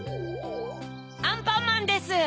アンパンマンです！